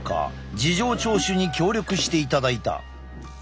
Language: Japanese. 事情聴取に協力していただいた。